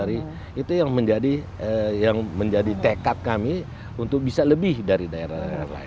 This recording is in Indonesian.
itu yang menjadi tekad kami untuk bisa lebih dari daerah lain